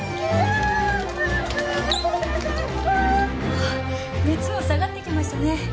あっ熱も下がってきましたね。